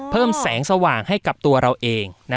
เพิ่มแสงสว่างให้กับตัวเราเอง